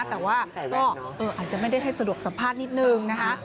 แต่ว่าก็อาจจะไม่ได้ให้สะดวกสัมภาษณ์นิดนึงนะคะ